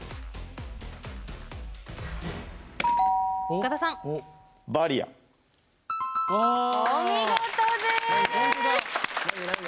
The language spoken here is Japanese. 岡田さんお見事です何で？